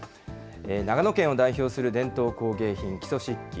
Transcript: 長野県を代表する伝統工芸品、木曽漆器。